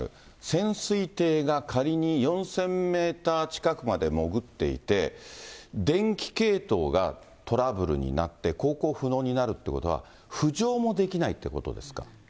潜水艇が仮に４０００メーター近くまで潜っていて、電気系統がトラブルになって、航行不能になるってことは、浮上もできないってことですか。